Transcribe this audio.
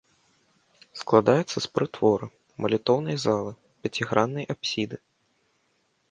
Складаецца з прытвора, малітоўнай залы, пяціграннай апсіды.